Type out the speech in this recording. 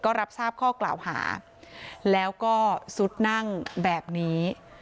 ก็รับทราบข้อกล่าวหาแล้วก็ซุดนั่งแบบนี้